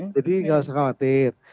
jadi tidak usah khawatir